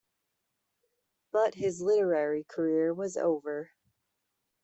But his literary career was over.